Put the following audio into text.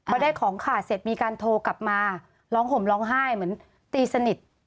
พอได้ของขาดเสร็จมีการโทรกลับมาร้องห่มร้องไห้เหมือนตีสนิท